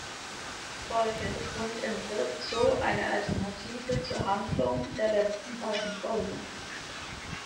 Folge und entwirft so eine Alternative zur Handlung der letzten beiden Folgen.